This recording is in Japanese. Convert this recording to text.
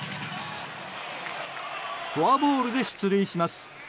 フォアボールで出塁します。